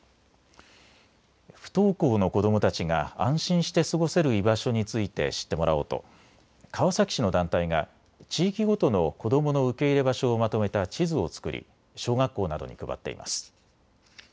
不登校の子どもたちが安心して過ごせる居場所について知ってもらおうと川崎市の団体が地域ごとの子どもの受け入れ場所をまとめた地図を作り小学校などに配っています。